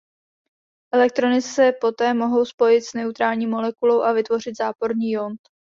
Elektrony se poté mohou spojit s neutrální molekulou a vytvořit záporný iont.